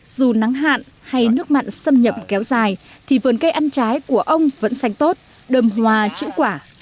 dù nắng hạn hay nước mặn xâm nhập kéo dài thì vườn cây ăn trái của ông vẫn xanh tốt đầm hòa chữ quả